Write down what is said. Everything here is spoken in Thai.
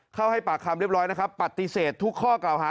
ให้ปากคำเรียบร้อยนะครับปฏิเสธทุกข้อกล่าวหา